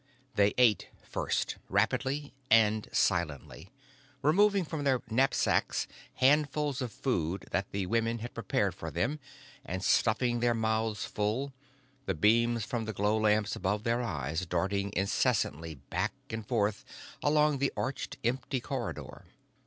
They ate first, rapidly and silently, removing from their knapsacks handfuls of food that the women had prepared for them and stuffing their mouths full, the beams from the glow lamps above their eyes darting incessantly back and forth along the arched, empty corridor.